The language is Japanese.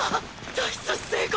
脱出成功